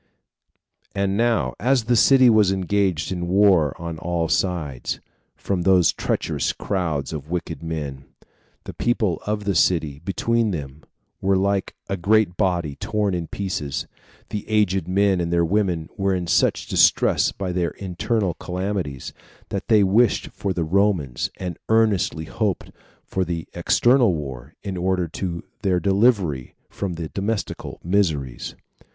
5. And now, as the city was engaged in a war on all sides, from these treacherous crowds of wicked men, the people of the city, between them, were like a great body torn in pieces. The aged men and the women were in such distress by their internal calamities, that they wished for the Romans, and earnestly hoped for an external war, in order to their delivery from their domestical miseries.